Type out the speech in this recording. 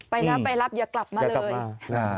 ไปนะไปรับอย่ากลับมาเลย